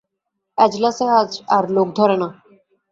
এজলাসে আজ আর লোক ধরে না।